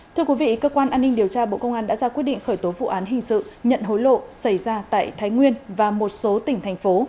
thưa quý vị cơ quan an ninh điều tra bộ công an đã ra quyết định khởi tố vụ án hình sự nhận hối lộ xảy ra tại thái nguyên và một số tỉnh thành phố